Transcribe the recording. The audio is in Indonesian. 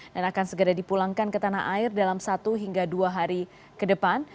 dan akan segera dipulangkan ke tanah air dalam satu hingga dua hari ke depan